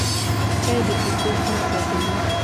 چای د کیسو خوند زیاتوي